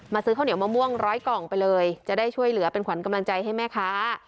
ซื้อข้าวเหนียวมะม่วงร้อยกล่องไปเลยจะได้ช่วยเหลือเป็นขวัญกำลังใจให้แม่ค้า